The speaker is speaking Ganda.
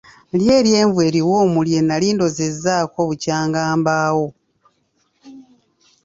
Lya eryenvu eriwoomu lye nali ndozezaako bukyangambawo.